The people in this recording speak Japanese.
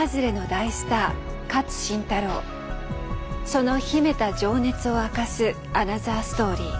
その秘めた情熱を明かすアナザーストーリー。